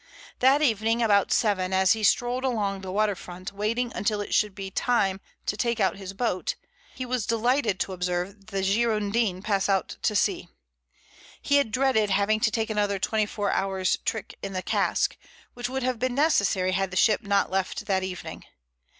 That evening about seven as he strolled along the waterfront waiting until it should be time to take out his boat, he was delighted to observe the Girondin pass out to sea. He had dreaded having to take another twenty four hours' trick in the cask, which would have been necessary had the ship not left that evening.